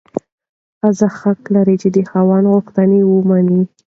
ښځه حق لري چې د خاوند غوښتنې ومني.